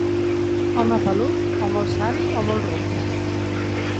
Home pelut, o molt savi o molt ruc.